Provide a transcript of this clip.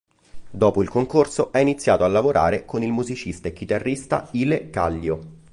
Dopo il concorso ha iniziato a lavorare con il musicista e chitarrista Ile Kallio.